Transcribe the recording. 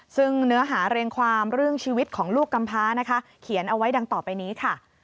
ซึ่งเนื้อหาเรียงความเรื่องชีวิตของลูกกำพานะคะเขียนเอาไว้ดังต่อไปนี้ค่ะ